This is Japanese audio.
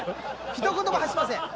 ひと言も発しません。